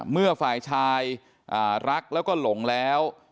เมื่อฝ่ายชายรักแล้วก็หลงแล้ว